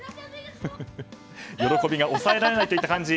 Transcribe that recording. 喜びが抑えられないといった感じ。